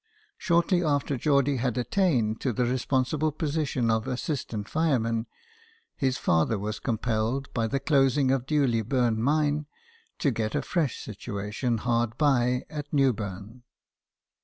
Shortly after Geordie had attained to the responsible position of as sistant fireman, his father was compelled, by the closing of Dewley Burn mine, to get a fresh situation hard by at Newburn.